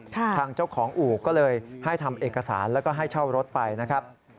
ทางเจ้าของอู่ก็เลยให้ทำเอกสารแล้วก็ให้เช่ารถไปนะครับ